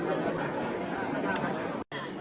มันใช่มันมันอาจารย์